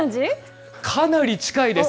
かなり近いです。